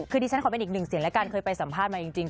คือดิฉันขอเป็นอีกหนึ่งเสียงแล้วกันเคยไปสัมภาษณ์มาจริง